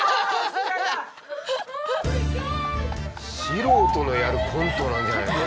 素人のやるコントなんじゃないの？